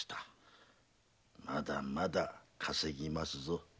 まだまだ稼ぎますぞ。